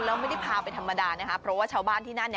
จะพาไปธรรมดาเพราะว่าชาวบ้านที่นั่น